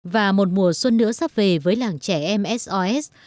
và một mùa xuân nữa sắp về với làng trẻ em sos